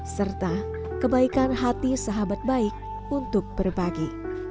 serta kebaikan hati sahabat baik untuk berbagi